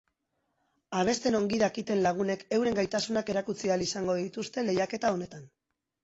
Abesten ongi dakiten lagunek euren gaitasunak erakutsi ahal izango dituzte lehiaketa honetan.